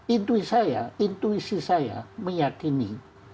intuisi saya intuisi saya meyakini